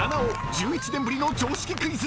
１１年ぶりの常識クイズ］